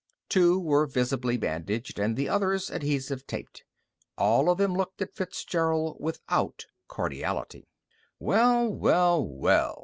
Two were visibly bandaged, and the others adhesive taped. All of them looked at Fitzgerald without cordiality. "Well, well, well!"